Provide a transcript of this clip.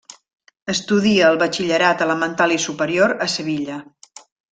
Estudia el batxillerat elemental i superior a Sevilla.